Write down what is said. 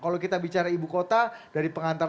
kalau kita bicara ibu kota dari pengantar